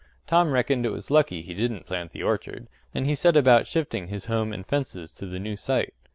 Tom reckoned it was lucky he didn't plant the orchard, and he set about shifting his home and fences to the new site.